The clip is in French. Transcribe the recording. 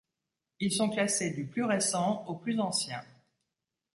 Ils sont classés du plus récent au plus ancien.